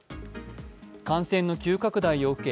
感染の急拡大を受け